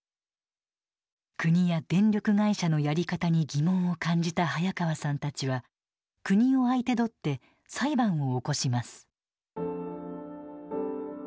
国や電力会社のやり方に疑問を感じた早川さんたちは国を相手取って裁判を起こします。